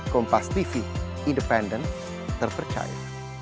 kompas tv independen terpercaya